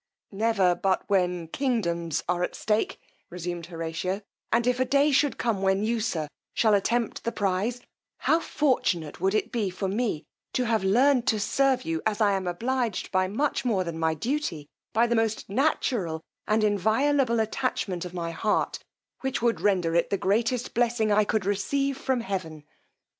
Never, but when kingdoms are at stake, resumed Horatio; and if a day should come when you, sir, shall attempt the prize, how fortunate would it be for me to have learned to serve you as I am obliged by much more than my duty, by the most natural and inviolable attachment of my heart, which would render it the greatest blessing I could receive from heaven.